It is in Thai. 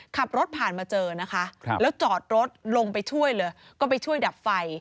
ขับรถผ่านมาเจอแล้วจอดรถลงไปช่วยเด็บไฟ